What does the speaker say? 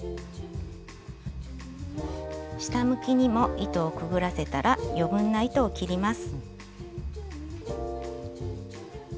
下向きにも糸をくぐらせたら余分な糸を切ります。